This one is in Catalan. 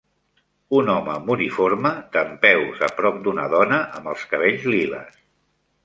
Un home amb uniforme dempeus a prop d'una dona amb els cabells liles.